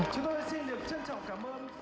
chúc các doanh nghiệp chân trọng cảm ơn